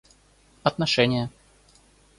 отношения